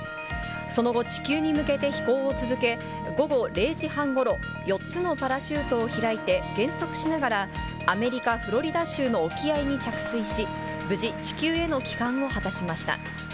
その後、地球に向けて飛行を続け、午後０時半ごろ、４つのパラシュートを開いて減速しながら、アメリカ・フロリダ州の沖合に着水し、無事、地球への帰還を果たしました。